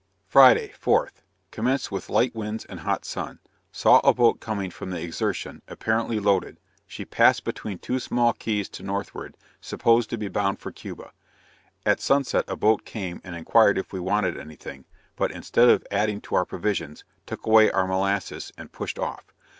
Friday, 4th. Commenced with light winds and hot sun, saw a boat coming from the Exertion, apparently loaded; she passed between two small Keys to northward, supposed to be bound for Cuba. At sunset a boat came and inquired if we wanted anything, but instead of adding to our provisions, took away our molasses, and pushed off.